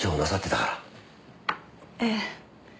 ええ。